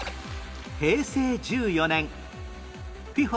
平成１４年 ＦＩＦＡ